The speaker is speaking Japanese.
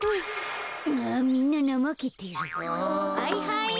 はいはい。